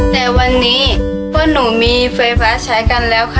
แต่วันนี้พวกหนูมีไฟฟ้าใช้กันแล้วค่ะ